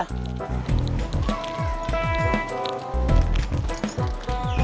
saya antar aja